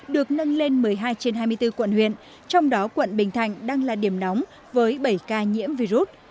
được nâng lên một mươi hai trên hai mươi bốn quận huyện trong đó quận bình thạnh đang là điểm nóng với bảy ca nhiễm virus